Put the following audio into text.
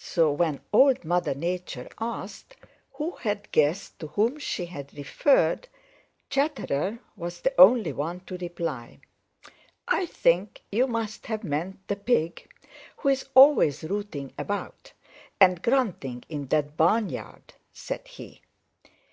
So when Old Mother Nature asked who had guessed to whom she had referred Chatterer was the only one to reply. "I think you must have meant the Pig who is always rooting about and grunting in that barnyard," said he.